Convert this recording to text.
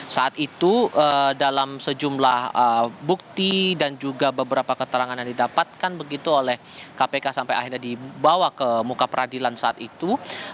saat itu dalam sejumlah bukti dan juga beberapa keterangan yang didapatkan begitu oleh kpk sampai akhirnya dibawa ke muka peradilan saat itu